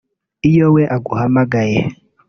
Iyo we aguhamagaye